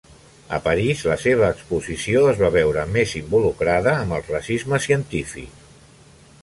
A París, la seva exposició es va veure més involucrada amb el racisme científic.